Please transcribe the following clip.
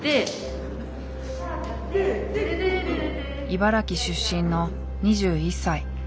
茨城出身の２１歳。